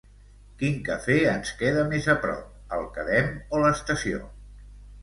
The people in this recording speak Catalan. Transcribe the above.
Quin cafè ens queda més a prop, el Quedem o l'Estació?